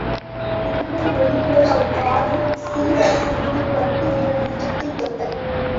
மின்னல் ஒளிபோல் அவள் பார்வை சீவகன் மீது பட்டு இவன் நெஞ்சைத் தொட்டது.